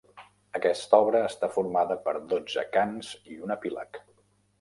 Aquesta obra està formada per dotze cants i un epíleg.